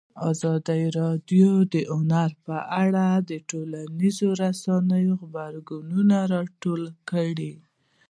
ازادي راډیو د هنر په اړه د ټولنیزو رسنیو غبرګونونه راټول کړي.